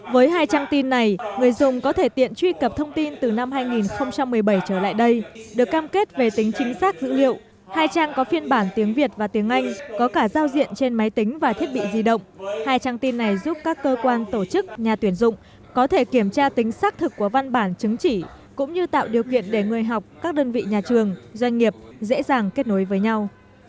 với hai trang tin này người dùng có thể tiện truy cập thông tin từ năm hai nghìn một mươi bảy trở lại đây được cam kết về tính chính xác dữ liệu hai trang có phiên bản tiếng việt và tiếng anh có cả giao diện trên máy tính và thiết bị di động hai trang tin này giúp các cơ quan tổ chức nhà tuyển dụng có thể kiểm tra tính xác thực của văn bản chứng chỉ cũng như tạo điều kiện để người học các đơn vị nhà trường doanh nghiệp dễ dàng kết nối với nhau